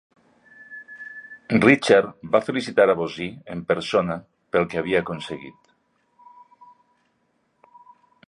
Richard va felicitar Bossy en persona pel que havia aconseguit.